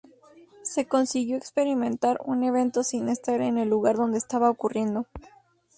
Se consiguió experimentar un evento sin estar en el lugar donde estaba ocurriendo.